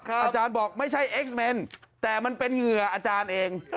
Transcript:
อาจารย์บอกไม่ใช่เอ็กซ์เมนแต่มันเป็นเหงื่ออาจารย์เอง